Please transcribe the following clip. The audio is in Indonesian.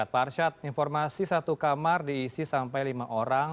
pak arsyad informasi satu kamar diisi sampai lima orang